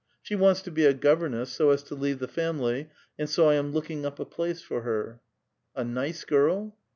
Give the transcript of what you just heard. She wants to be a governess, so as to leave the family, and so I am looking up a place for her." "A nice girl?"